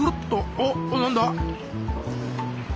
おっ何だ？